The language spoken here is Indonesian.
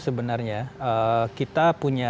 sebenarnya kita punya